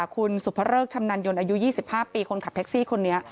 คุณสุภเริกชำนาญยนต์อายุ๒๕ปีคนขับแท็กซี่คนนี้